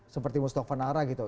seperti mustafa nara gitu